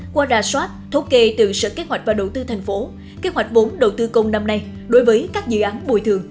qua đà soát thống kê từ sở kế hoạch và đầu tư thành phố kế hoạch vốn đầu tư công năm nay đối với các dự án bồi thường